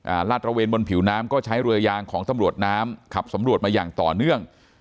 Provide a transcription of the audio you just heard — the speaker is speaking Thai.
ลาดตระเวนบนผิวน้ำก็ใช้เรือยางของตำรวจน้ำขับสำรวจมาอย่างต่อเนื่อง